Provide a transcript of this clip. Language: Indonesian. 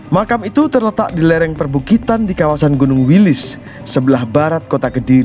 makam itu terletak di lereng perbukitan di kawasan gunung wilis sebelah barat kota kediri